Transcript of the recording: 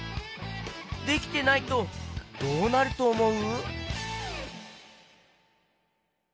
できてないとどうなるとおもう？